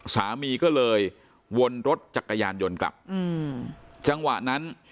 สามีก็เลยวนรถจักรยานยนต์กลับอืมจังหวะนั้น